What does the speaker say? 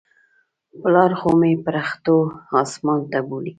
پلار خو مې پرښتو اسمان ته بولى.